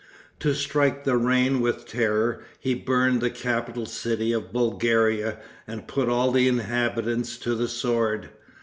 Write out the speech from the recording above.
To strike the region with terror, he burned the capital city of Bulgaria and put all the inhabitants to the sword.